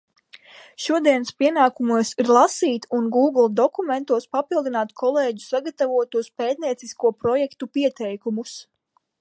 Šodienas pienākumos ir lasīt un "Gūgle" dokumentos papildināt kolēģu sagatavotos pētniecisko projektu pieteikumus.